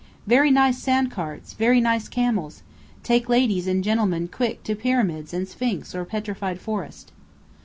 "Very nice sandcarts very nice camels! Take ladies and gentlemen quick to Pyramids and Sphinx or Petrified Forest!"